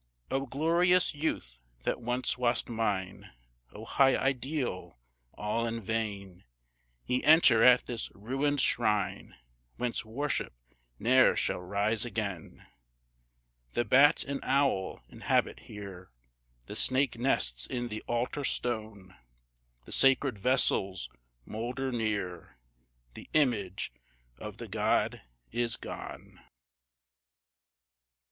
O glorious Youth, that once wast mine! O high ideal! all in vain Ye enter at this ruined shrine Whence worship ne'er shall rise again, The bat and owl inhabit here, The snake nests in the altar stone, The sacred vessels moulder near, The image of the God is gone.